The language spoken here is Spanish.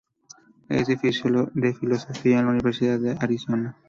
Es de filosofía en la Universidad de Arizona.